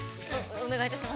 お願いいたします。